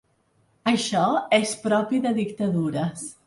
Això és propi de dictadures.